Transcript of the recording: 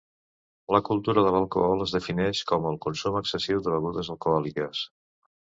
La cultura de l'alcohol es defineix com el consum excessiu de begudes alcohòliques.